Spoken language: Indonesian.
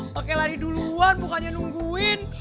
pak rt lari duluan bukannya nungguin